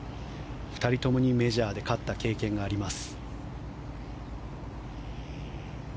２人ともにメジャーで勝った経験があります。